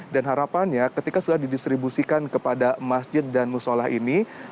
dan harapannya ketika sudah didistribusikan kepada masjid dan musolah ini